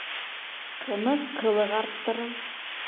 Ҡымыҙ ҡылыҡ арттырыр